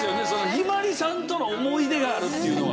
ひばりさんとの思い出があるっていうのが。